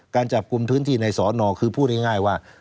การจับกลุ่มพื้นที่ในสอนอคือพูดง่ายว่า